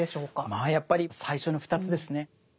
まあやっぱり最初の２つですね。